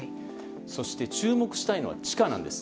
そして、注目したいのは地下なんです。